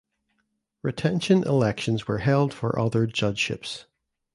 Retention elections were held for other judgeships.